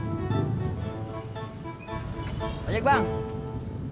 jangan lupa subscribe channel ini